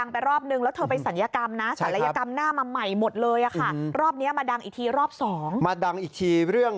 ภาคินไม่มางานแต่ง